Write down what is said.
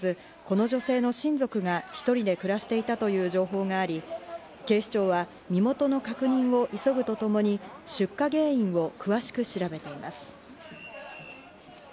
この家には家主の８０歳の女性は住んでおらず、この女性の親族が１人で暮らしていたという情報があり、警視庁は身元の確認を急ぐとともに出火原因を詳しく調べています。